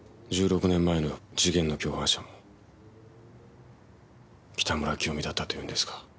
１６年前の事件の共犯者も北村清美だったというんですか？